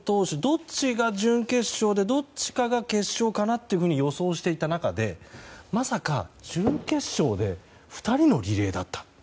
どっちかが準決勝でどっちかが決勝かなと予想していた中でまさか準決勝で２人のリレーだった。